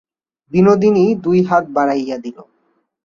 বিনোদিনী দুই হাত বাড়াইয়া দিল।